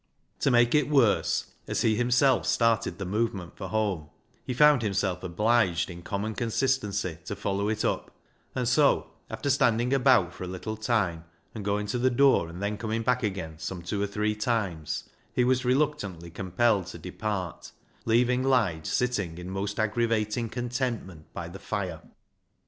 To make it worse, as he had himself started the movement for home, he found himself obliged in common consistency to follow it up, and so, after standing about for a little time, and going to the door and then coming back again some two or three times, he was reluctantly compelled to depart, leaving Lige sitting in most aggravat ing contentment by the fire.